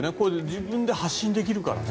自分で発信できるからね。